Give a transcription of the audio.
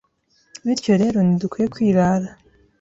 bityo rero ntidukwiye kwirara.